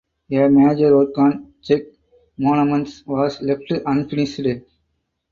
A major work on Czech monuments was left unfinished.